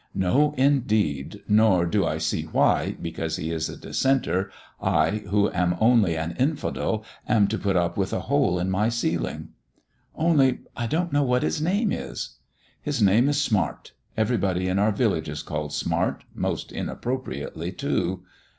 "No, indeed; nor do I see why, because he is a dissenter, I, who am only an infidel, am to put up with a hole in my ceiling." "Only, I don't know what his name is." "His name is Smart. Everybody in our village is called Smart most inappropriately too."